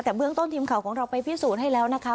แต่เบื้องต้นทีมข่าวของเราไปพิสูจน์ให้แล้วนะคะ